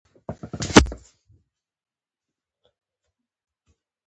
دا له افریقا له شماله راوړل کېدل